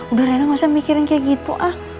udah enak gak usah mikirin kayak gitu ah